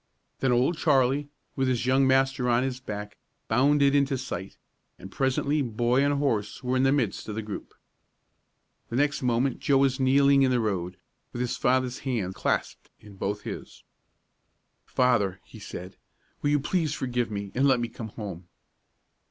Then Old Charlie, with his young master on his back, bounded into sight, and presently boy and horse were in the midst of the group. The next moment Joe was kneeling in the road, with his father's hand clasped in both his. "Father!" he said, "will you please forgive me and let me come home?"